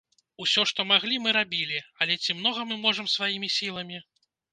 Усё, што маглі, мы рабілі, але ці многа мы можам сваімі сіламі?